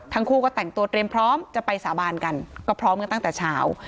ทั้งคู่ก็แต่งตัวเตรียมพร้อมจะไปสาบานกันก็พร้อมกันตั้งแต่เช้า